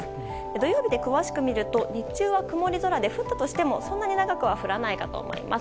土曜日を詳しく見ると日中は曇り空で降ったとしても、そんなに長くは降らないかなと思います。